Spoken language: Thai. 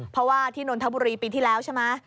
เพราะว่าที่นนทบุรีปีที่แล้วใช่ไหม